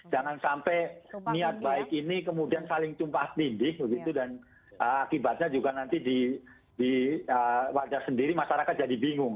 jangan sampai niat baik ini kemudian saling tumpah pindih begitu dan akibatnya juga nanti di wadah sendiri masyarakat jadi bingung